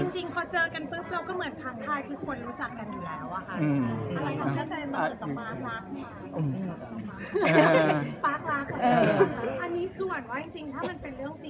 จริงพอเจอกันปุ๊บเราก็เหมือนทักทายคือคนรู้จักกันอยู่แล้วอะค่ะ